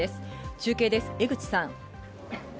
中継です、江口さん。